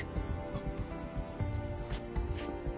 あっ。